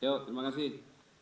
yuk terima kasih